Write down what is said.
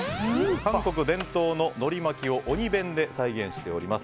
韓国伝統ののり巻きをおに弁で再現しております。